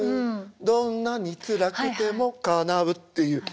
どんなにつらくてもかなう」っていう。